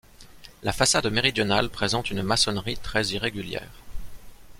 La façade méridionale présente une maçonnerie très irrégulière.